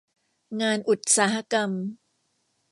งานอุตสาหกรรม